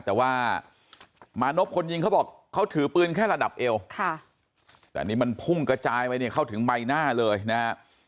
แต่ว่ามานพคนยิงเขาบอกเขาถือปืนแค่ระดับเอวแต่นี่มันพุ่งกระจายไปเนี่ยเข้าถึงใบหน้าเลยนะฮะ